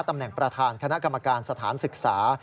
ตำแหน่งประธานคณะกรรมการสถานศึกษา